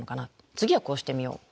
次はこうしてみよう。